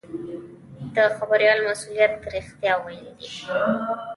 د خبریال مسوولیت رښتیا ویل دي.